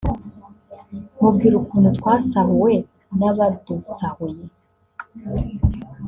mubwira ukuntu twasahuwe n’abadusahuye